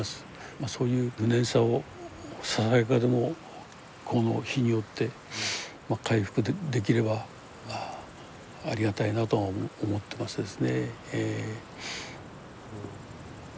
まそういう無念さをささやかでもこの碑によって回復できればありがたいなとは思ってますですねええ。